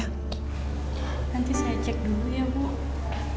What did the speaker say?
nanti saya cek dulu ya bu